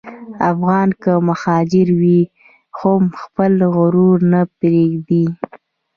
افغان که مهاجر وي، هم خپل غرور نه پرېږدي.